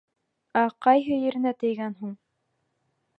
Ә ҡайһы еренә тейгән һуң?